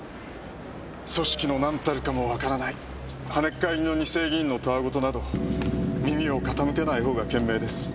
組織の何たるかもわからない跳ねっ返りの二世議員のたわ言など耳を傾けないほうが賢明です。